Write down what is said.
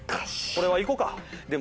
これはいこうか。